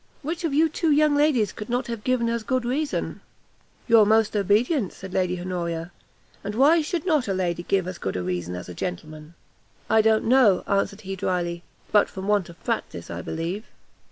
which of you two young ladies could not have given as good reason?" "Your most obedient," said Lady Honoria, "and why should not a lady give as good a reason as a gentleman?" "I don't know," answered he, drily, "but from want of practice, I believe."